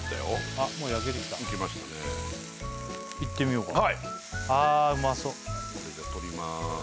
あもう焼けてきたいってみようかはいああうまそう取りまーす